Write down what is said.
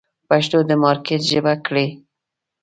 پښتو د مارکېټ ژبه کړئ.